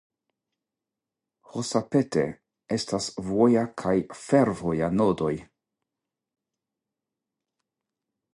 Hosapete estas voja kaj fervoja nodoj.